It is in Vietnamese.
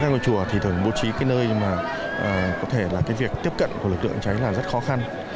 ngôi chùa thì thường bố trí cái nơi mà có thể là cái việc tiếp cận của lực lượng cháy là rất khó khăn